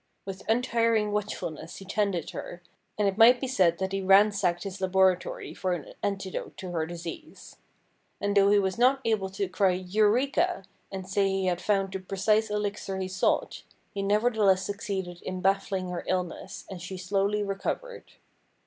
With untiring watchfulness he tended her, and it might be said that he ransacked his laboratory for an antidote to her disease. And, though he was not able to cry Eureka ! and say he had found the precise elixir he sought, he nevertheless succeeded in baffling her illness, and she slowly recovered.